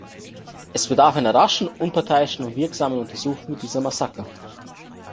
Es bedarf einer raschen, unparteiischen und wirksamen Untersuchung diese Massaker.